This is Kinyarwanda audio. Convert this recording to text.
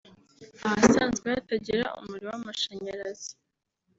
ahasanzwe hatagera umuri w’amashanyarazi